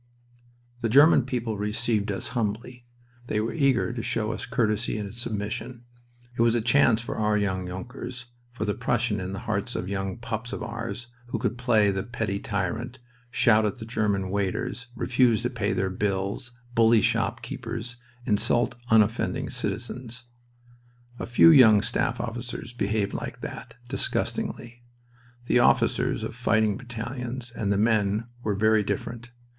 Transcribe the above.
The German people received us humbly. They were eager to show us courtesy and submission. It was a chance for our young Junkers, for the Prussian in the hearts of young pups of ours, who could play the petty tyrant, shout at German waiters, refuse to pay their bills, bully shopkeepers, insult unoffending citizens. A few young staff officers behaved like that, disgustingly. The officers of fighting battalions and the men were very different.